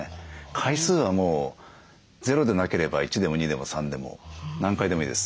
回数はもうゼロでなければ１でも２でも３でも何回でもいいです。